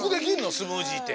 スムージーって。